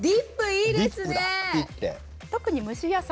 いいですね。